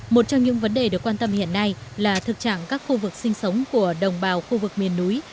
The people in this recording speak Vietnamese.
một trong những vấn đề được quan tâm hiện nay là thực trạng các khu vực sinh sống của đồng bào khu vực miền núi